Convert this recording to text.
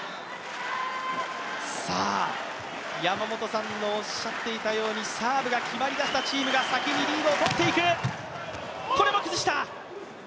山本さんのおっしゃっていたようにサーブが決まりだしたチームが先にリードをとっていく。